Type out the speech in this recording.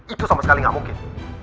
itu sama sekali nggak mungkin